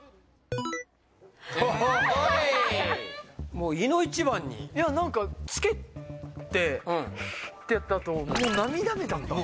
もういの一番にいや何かつけてってやったあともう涙目だったんですよ